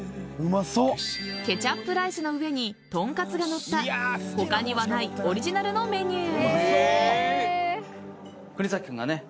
ケチャップライスの上にとんかつが乗った他にはないオリジナルのメニュー。